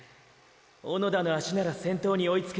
小野田の脚なら先頭に追いつく。